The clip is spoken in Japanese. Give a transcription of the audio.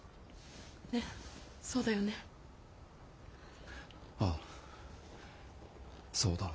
ねっそうだよね？ああそうだ。